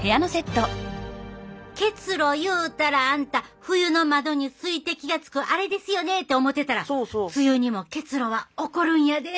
結露ゆうたらあんた冬の窓に水滴がつくアレですよねって思てたら梅雨にも結露は起こるんやで！